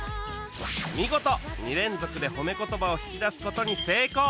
見事２連続で褒め言葉を引き出す事に成功